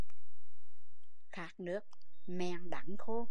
Khát nước, mẹng đắng khô